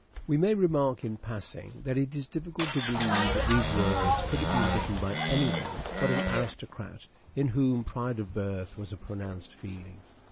We may remark in passing that it is difficult to believe that these words could have been written by any one but an aristocrat in whom pride of birth was a pronounced feeling.